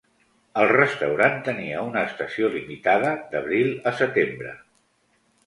El restaurant tenia una estació limitada d'abril a setembre.